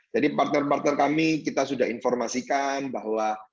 jadi partner partner kami kita sudah informasikan bahwa